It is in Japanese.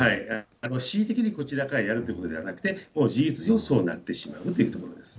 恣意的にこちらからやるということではなくて、事実上、そうなってしまうということです。